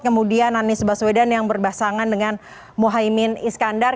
kemudian anies baswedan yang berbasangan dengan mohaimin iskandar